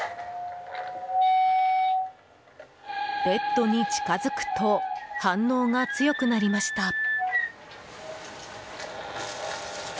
ベッドに近づくと反応が強くなりました。